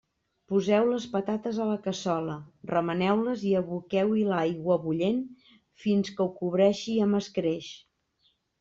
Poseu les patates a la cassola, remeneu-les i aboqueu-hi l'aigua bullent fins que ho cobreixi amb escreix.